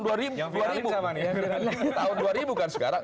tahun dua ribu kan sekarang